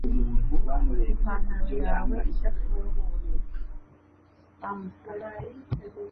Ipantaro yawe idafunguye (Spamster)